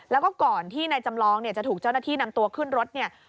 แล้วก็ก่อนที่นายจำลองเนี่ยจะถูกเจ้าหน้าที่นำตัวขึ้นรถเนี่ย